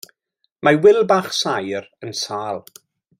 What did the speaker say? Mae Wil Bach Saer yn sâl.